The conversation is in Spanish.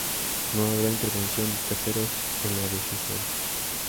No habrá intervención de terceros en la decisión.